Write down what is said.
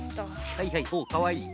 はいはいおおかわいい。